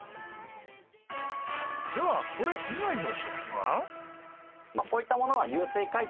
ではそれ以外の食品は？